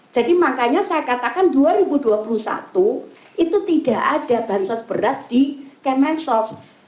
jadi makanya saya katakan dua ribu dua puluh satu itu tidak ada bahan sos beras di kemen sos